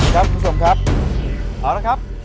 ท่านผู้ชมครับเอาละครับ